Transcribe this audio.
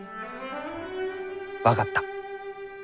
分かった。